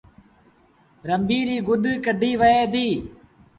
رنبيٚ ريٚ گڏ ڪڍيٚ وهي ديٚ